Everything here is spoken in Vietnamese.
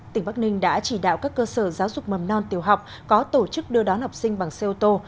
tỉnh bắc ninh đã chỉ đạo các cơ sở giáo dục mầm non tiểu học có tổ chức đưa đón học sinh bằng xe ô tô